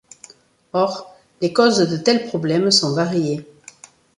Or, les causes de tels problèmes sont variées.